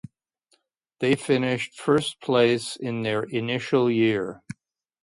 They finished first place in their initial year.